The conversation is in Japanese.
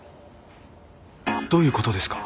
どういうことですか？